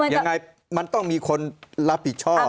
ยังไงมันต้องมีคนรับผิดชอบ